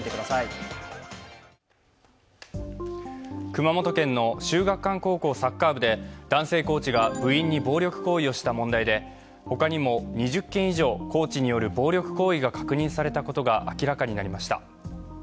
熊本県の秀岳館高校サッカー部で男性コーチが部員に暴力行為をした問題でほかにも２０件以上、コーチによる暴力行為が確認されたことが明らかになりました。